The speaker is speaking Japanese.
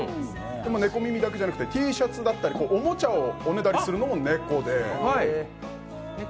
でも、猫耳だけじゃなくて、Ｔシャツだったりおもちゃをおねだりするのも猫で。